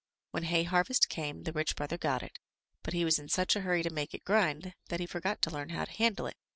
When hay harvest came, the rich brother got it, but he was in such a hurry to make it grind that he forgot to learn how to handle it.